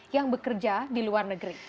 yang bekerja di luar negeri